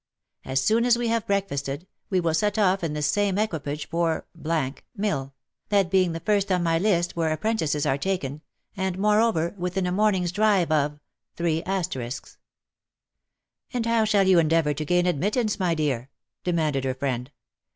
As soon as we have breakfasted we will set off in this same equipage for Mill, that being the first on my list where apprentices are taken, and, moreover, within a morning's drive of ."" And how shall you endeavour to gain admittance my dear?" demanded her friend.